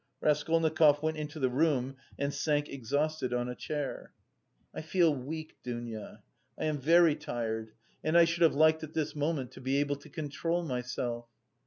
Raskolnikov went into the room and sank exhausted on a chair. "I feel weak, Dounia, I am very tired; and I should have liked at this moment to be able to control myself."